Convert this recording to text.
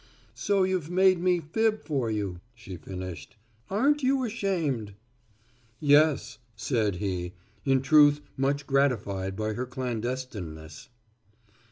"So you've made me fib for you," she finished. "Aren't you ashamed!" "Yes," said he, in truth much gratified by her clandestineness.